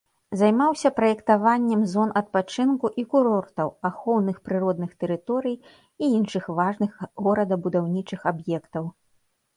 Займаўся праектаваннем зон адпачынку і курортаў, ахоўных прыродных тэрыторый і іншых важных горадабудаўнічых аб'ектаў.